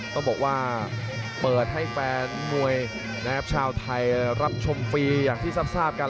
ต้องบอกว่าเปิดให้แฟนมวยชาวไทยรับชมฟรีอย่างที่ทรัพย์ทราบกัน